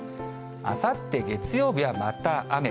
あさって月曜日は、また雨。